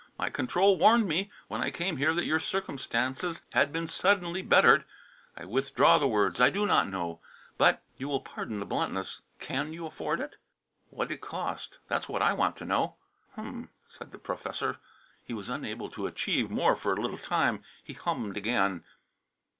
My control warned me when I came here that your circumstances had been suddenly bettered. I withdraw the words. I do not know, but you will pardon the bluntness can you afford it?" "What'd it cost? That's what I want to know." "Hum!" said the professor. He was unable to achieve more for a little time. He hum'd again.